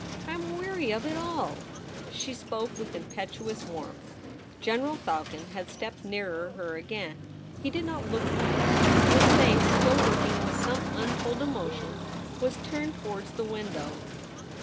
I am weary of it all.' She spoke with impetuous warmth. General Falcon had stepped nearer her again. He did not look at her. His face, still working with some untold emotion, was turned to wards the window.